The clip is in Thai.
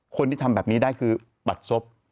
คนที่ทำแบบนี้ได้คือปัดศพ